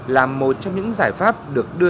là một trong những giải pháp được đưa ra